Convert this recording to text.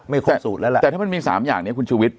ไม่ครบสูตรแล้วล่ะแต่ถ้ามันมีสามอย่างเนี่ยคุณชุวิต